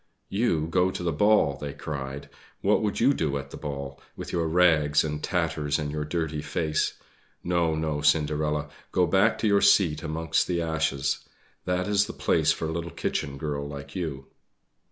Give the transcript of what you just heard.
"You go to the ball!" they cried. "What would you do at the ball, with your rags and tatters and your dirty face? No, no, Cinderella, go back to your seat amongst the ashes that is the place for a little kitchen girl like you!"